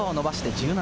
−１７。